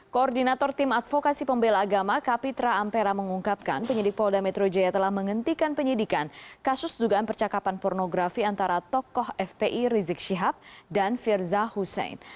koordinator tim advokasi pembela agama kapitra ampera mengungkapkan penyidik polda metro jaya telah menghentikan penyidikan kasus dugaan percakapan pornografi antara tokoh fpi rizik syihab dan firza husein